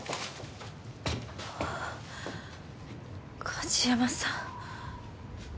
梶山さん。